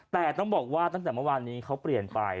แต่ต้องบอกว่าตั้งแต่เมื่อวานนี้เขาเปลี่ยนไป